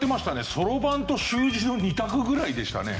そろばんと習字の２択ぐらいでしたね。